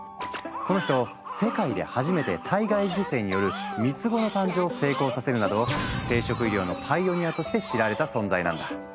この人世界で初めて体外受精による三つ子の誕生を成功させるなど生殖医療のパイオニアとして知られた存在なんだ。